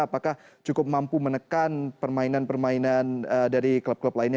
apakah cukup mampu menekan permainan permainan dari klub klub lainnya